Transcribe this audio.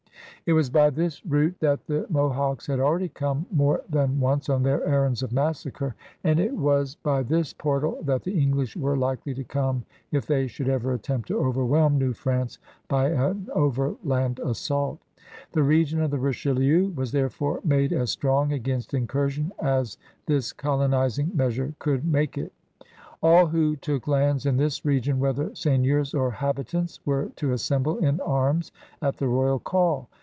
It was by this route that the Mohawks had already come more than once on their errands of massacre, and it was by ^ 10 146 CRUSADEBS OF NEW FBANCE tliis portal that the English were likely to come if they should ever attempt to overwhelm New France by an overland assault. The region of the Richelieu was therefore made as strong against incursion as this colonizing measure could make it. All who took lands in this region, whether seigneurs or habitants, were to assemble in arms at the royal call.